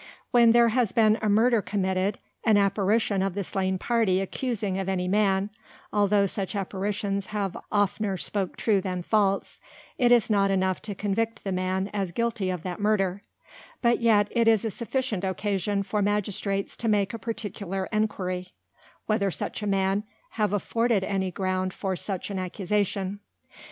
When there has been a Murder committed, an Apparition of the slain Party accusing of any Man, altho' such Apparitions have oftner spoke true than false, is not enough to Convict the Man as guilty of that Murder; but yet it is a sufficient occasion for Magistrates to make a particular Enquiry, whether such a Man have afforded any ground for such an Accusation.